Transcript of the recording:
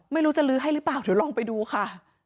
ไม่รู้จะลื้อให้หรือเปล่าเดี๋ยวลองไปดูค่ะ